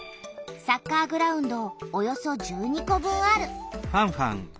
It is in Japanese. サッカーグラウンドおよそ１２個分ある。